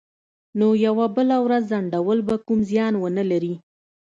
نو یوه بله ورځ ځنډول به کوم زیان ونه لري